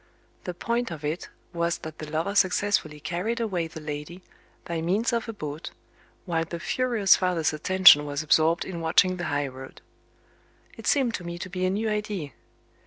The point of it was that the lover successfully carried away the lady, by means of a boat, while the furious father's attention was absorbed in watching the high road. It seemed to me to be a new idea.